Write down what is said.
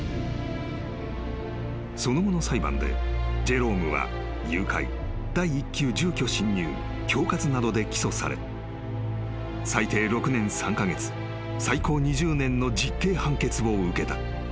［その後の裁判でジェロームは誘拐第一級住居侵入恐喝などで起訴され最低６年３カ月最高２０年の実刑判決を受けた］